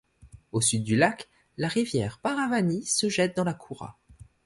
Au sud du lac, la rivière Paravani se jette dans la Koura.